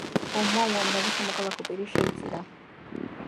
ომმა უამრავი სამოქალაქო პირი შეიწირა.